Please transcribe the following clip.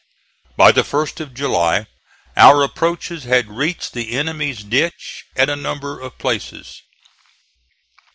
By the 1st of July our approaches had reached the enemy's ditch at a number of places.